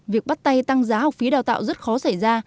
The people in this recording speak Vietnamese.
việc bắt tay tăng giá học phí đào tạo rất khó xảy ra